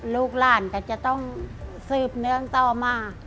ลูกหลานก็จะต้องสืบเนื่องต่อมา